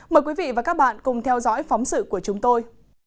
mời quý vị và các bạn cùng theo dõi phóng sự của chúng tôi